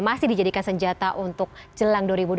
masih dijadikan senjata untuk jelang dua ribu dua puluh